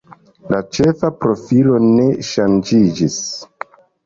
La ĉefa profilo ne ŝanĝiĝis.